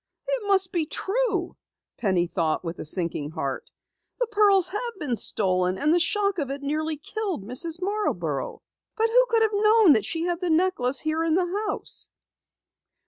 "It must be true!" Penny thought with a sinking heart. "The pearls have been stolen, and the shock of it nearly killed Mrs. Marborough! But who could have known that she had the necklace here in the house?"